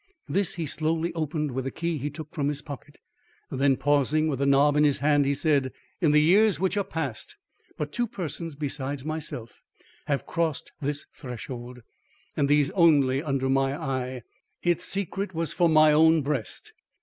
This he slowly opened with the key he took from his pocket; then, pausing with the knob in his hand, he said: "In the years which are past, but two persons beside myself have crossed this threshold, and these only under my eye. Its secret was for my own breast.